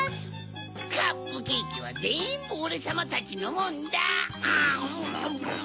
カップケーキはぜんぶオレさまたちのもんだ！